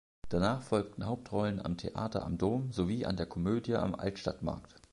Danach folgten Hauptrollen am Theater am Dom, sowie an der Komödie am Altstadtmarkt.